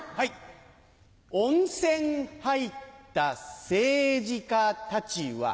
温泉入った政治家たちは。